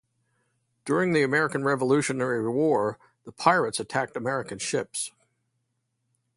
During the American Revolutionary War, the pirates attacked American ships.